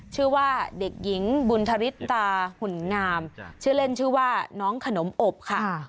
ชื่อว่าเด็กหญิงบุญธริตตาหุ่นงามชื่อเล่นชื่อว่าน้องขนมอบค่ะ